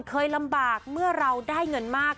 เคยลำบากเมื่อเราได้เงินมาก